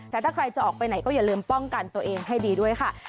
แต่ถ้าใครจะออกไปไหนก็อย่าลืมป้องกันตัวเองให้ดีด้วยค่ะ